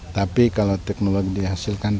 tapi kalau teknologi dihasilkan